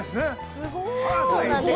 ◆すごい。